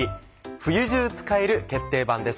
冬中使える決定版です。